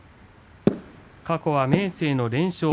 過去は明生の連勝。